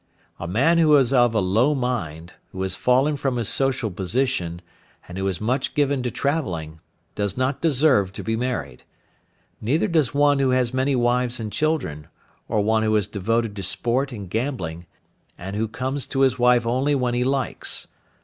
A man who is of a low mind, who has fallen from his social position, and who is much given to travelling, does not deserve to be married; neither does one who has many wives and children, or one who is devoted to sport and gambling, and who comes to his wife only when he likes.